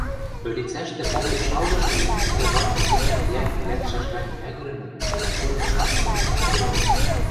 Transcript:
Ӧлицӓштӹ попен шалгышывлӓ тӹ вадны тетян йӓнг лӓкшӓш гань мӓгӹрӹмӹм, Курин саслымыжым колыт.